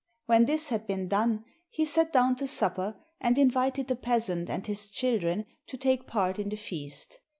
When this had been done he sat down to supper and invited the peasant and his children to take part in the feast.